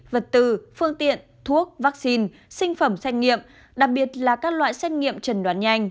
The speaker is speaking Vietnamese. vật tư phương tiện thuốc vaccine sinh phẩm xét nghiệm đặc biệt là các loại xét nghiệm trần đoán nhanh